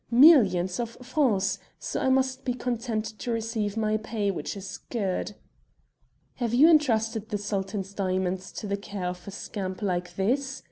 millions of francs, so I must be content to receive my pay, which is good." "Have you entrusted the Sultan's diamonds to the care of a scamp like this?"